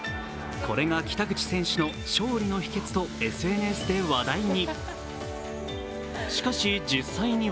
これが北口選手の勝利の秘けつとＳＮＳで話題に。